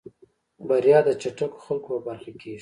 بريا د چټکو خلکو په برخه کېږي.